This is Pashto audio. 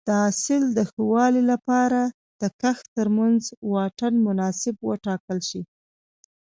د حاصل د ښه والي لپاره د کښت ترمنځ واټن مناسب وټاکل شي.